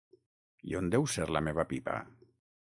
I on deu ser la meva pipa?